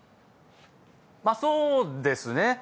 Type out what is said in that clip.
ま、そうですね。